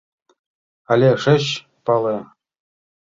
Але шыч пале?